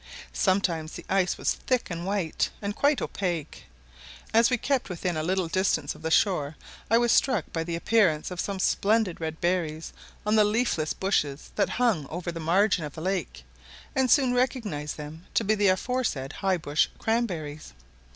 Sometimes the ice was thick and white, and quite opaque. As we kept within a little distance of the shore, I was struck by the appearance of some splendid red berries on the leafless bushes that hung over the margin of the lake, and soon recognized them to be the aforesaid high bush cranberries.